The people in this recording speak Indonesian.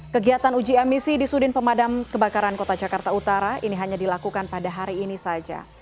kegiatan uji emisi di sudin pemadam kebakaran kota jakarta utara ini hanya dilakukan pada hari ini saja